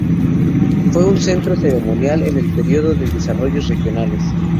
Fue un centro ceremonial en el periodo de desarrollos regionales.